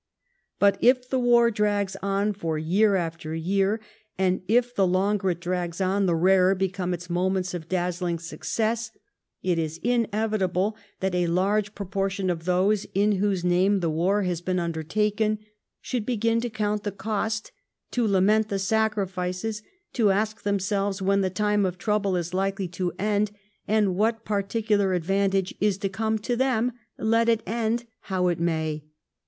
But if the war drags on for year after year, and if the longer it drags on the rarer become its moments of dazzling success, it is inevitable that a large proportion of those 340 THE TRIUMPH OF THE TOBIES in whose name the war has been undertaken should begin to count the cost, to lament the sacrifices, to ask themselves when the time of trouble is likely to end, and what particular advantage is to come to them, let it end how it may.